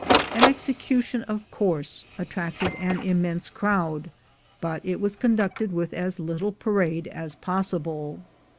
An execution, of course, attracted an immense crowd, but it was conducted with as little parade as possible.